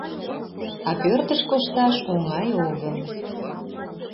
...А пӧртыш кошташ оҥай огыл.